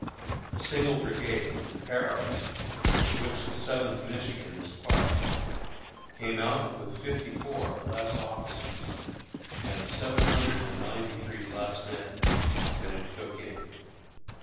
A single brigade, Harrow's (of which the Seventh Michigan is part), came out with fifty four less officers, and seven hundred and ninety three less men, than it took in!